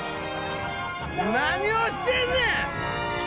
何をしてんねん！